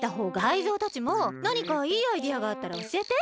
タイゾウたちもなにかいいアイデアがあったらおしえて。